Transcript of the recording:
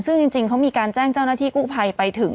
ซึ่งจริงมีการจ้างเจ้าหน้าที่กู้ไพไปถึง